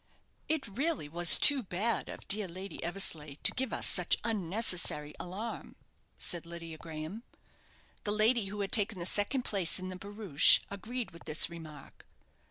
"It was really too bad of dear Lady Eversleigh to give us such unnecessary alarm," said Lydia Graham. The lady who had taken the second place in the barouche agreed with this remark.